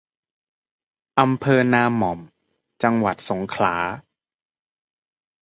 อำเภอนาหม่อม จังหวัดสงขลา